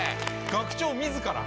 学長自ら？